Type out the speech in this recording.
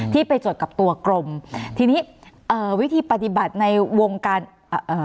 ที่ไปจดกับตัวกรมทีนี้เอ่อวิธีปฏิบัติในวงการเอ่อ